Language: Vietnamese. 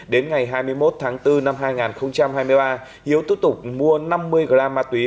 đến ngày hai mươi một tháng bốn năm hai nghìn hai mươi ba hiếu tiếp tục mua năm mươi gram ma túy